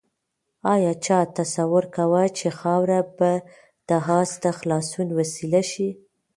آیا چا تصور کاوه چې خاوره به د آس د خلاصون وسیله شي؟